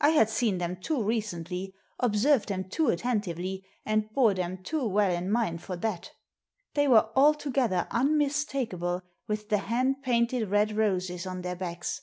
I had seen them too recently, observed them too attentively, and bore them too well in mind for that They were altogether un mistakable, with the hand painted red roses on their backs.